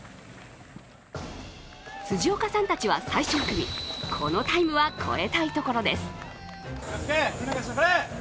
辻岡さんたちは最終組、このタイムは超えたいところです。